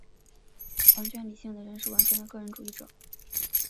完全理性的人是完全的个人主义者。